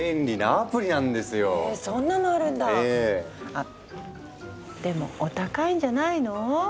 あでもお高いんじゃないの？